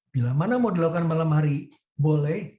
bila mana mau dilakukan malam hari boleh